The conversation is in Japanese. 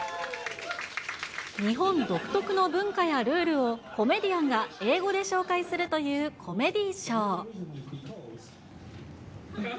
日本独特の文化やルールを、コメディアンが英語で紹介するというコメディーショー。